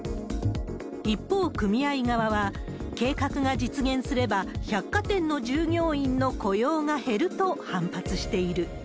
一方、組合側は、計画が実現すれば、百貨店の従業員の雇用が減ると反発している。